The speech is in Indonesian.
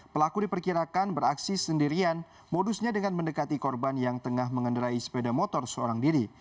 pelaku diperkirakan beraksi sendirian modusnya dengan mendekati korban yang tengah mengendarai sepeda motor seorang diri